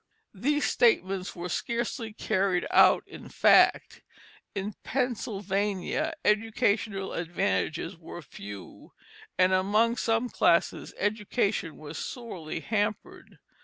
These statements were scarcely carried out in fact; in Pennsylvania educational advantages were few, and among some classes education was sorely hampered.